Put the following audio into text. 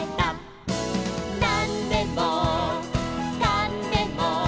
「なんでもーかんでも！」